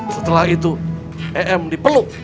setelah itu em dipeluk